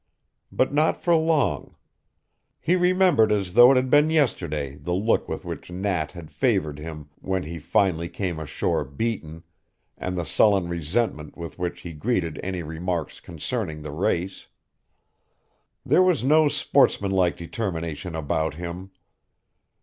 But not for long. He remembered as though it had been yesterday the look with which Nat had favored him when he finally came ashore beaten, and the sullen resentment with which he greeted any remarks concerning the race. There was no sportsmanlike determination about him!